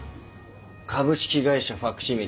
株式会社ファクシミリ。